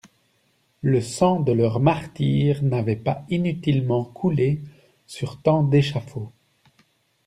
Le sang de leurs martyrs n'avait pas inutilement coulé sur tant d'échafauds.